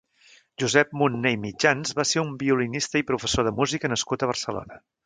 Josep Munné i Mitjans va ser un violinista i professor de música nascut a Barcelona.